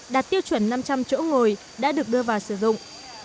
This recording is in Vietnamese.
đạt tiêu chuẩn năm trăm linh chỗ ngồi đã được đưa vào sử dụng